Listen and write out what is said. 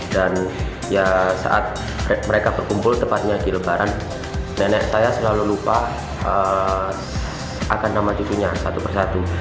dan ya saat mereka berkumpul tepatnya di lebaran nenek saya selalu lupa akan nama cucunya satu persatu